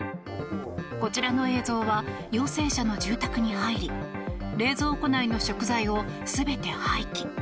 こちらの映像では陽性者の住宅に入り冷蔵庫内の食材を全て廃棄。